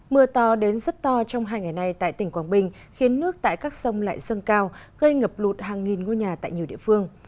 mưa to đến rất to trong hai ngày nay tại tỉnh quảng bình khiến nước tại các sông lại sơn cao gây ngập lụt hàng nghìn ngôi nhà tại nhiều địa phương